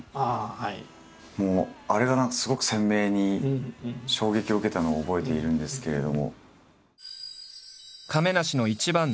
もうあれが何かすごく鮮明に衝撃を受けたのを覚えているんですけれども。